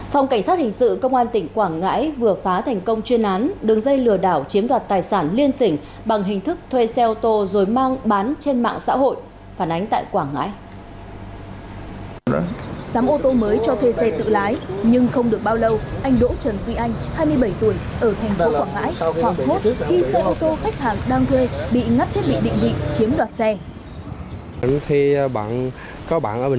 phòng cảnh sát hình sự công an tỉnh quảng ngãi vừa phá thành công chuyên án đứng dây lừa đảo chiếm đoạt tài sản liên tỉnh bằng hình thức thuê xe ô tô dối mang bán trên mạng xã hội phản ánh tại quảng ngãi